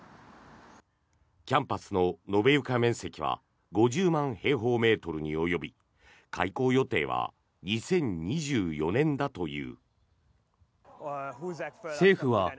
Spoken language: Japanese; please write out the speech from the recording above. キャンパスの延床面積は５０万平方メートルに及び開校予定は２０２４年だという。